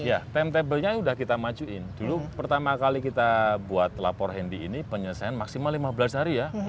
ya timetable nya sudah kita majuin dulu pertama kali kita buat lapor handy ini penyelesaian maksimal lima belas hari ya